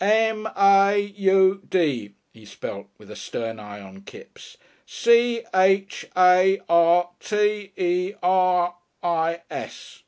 "M A U D," he spelt, with a stern eye on Kipps, "C H A R T E R I S."